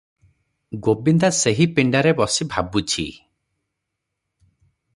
ଗୋବିନ୍ଦା ସେହି ପିଣ୍ତାରେ ବସି ଭାବୁଛି ।